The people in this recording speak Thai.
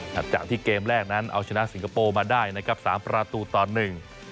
จากที่เกมแรกนั้นเอาชนะสิงคโปร์มาได้นะครับสามประตูต่อหนึ่ง